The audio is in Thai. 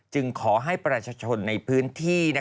ขอให้ประชาชนในพื้นที่